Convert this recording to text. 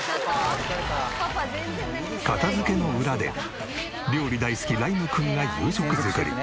片付けの裏で料理大好き麗優心くんが夕食作り。